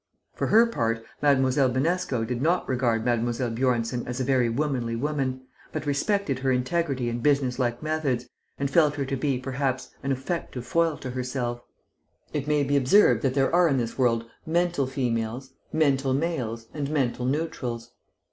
For her part, Mlle. Binesco did not regard Mlle. Bjornsen as a very womanly woman, but respected her integrity and business like methods, and felt her to be, perhaps, an effective foil to herself. It may be observed that there are in this world mental females, mental males, and mental neutrals.